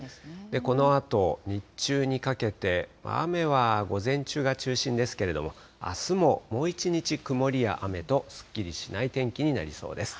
このあと、日中にかけて、雨は午前中が中心ですけれども、あすももう一日、曇りや雨と、すっきりしない天気になりそうです。